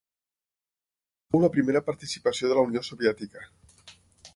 Fou la primera participació de la Unió Soviètica.